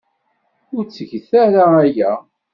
Ur ttgent ara aya.